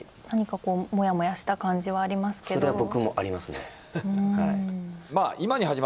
何かこうモヤモヤした感じはありますけど。